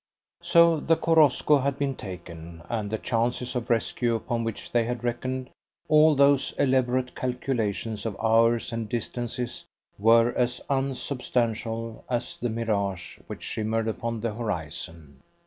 So the Korosko had been taken, and the chances of rescue upon which they had reckoned all those elaborate calculations of hours and distances were as unsubstantial as the mirage which shimmered upon the horizon.